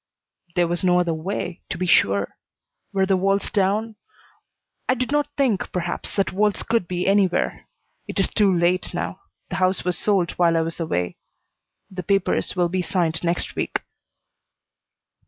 "There was no other way to be sure. Were the walls down I did not think, perhaps, that walls could be anywhere. It is too late now. The house was sold while I was away. The papers will be signed next week."